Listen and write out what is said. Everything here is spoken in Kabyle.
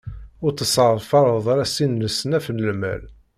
Ur tesseḍfareḍ ara sin n leṣnaf n lmal.